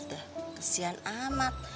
ya kesian amat